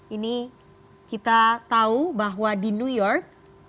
ini kita tahu bahwa di new york